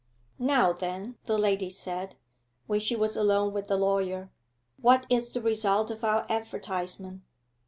'Now then,' the lady said, when she was alone with the lawyer; 'what is the result of our advertisement?